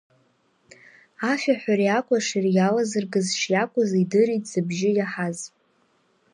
Ашәаҳәареи акәшареи иалазыргаз шиакәыз идырит зыбжьы иаҳаз.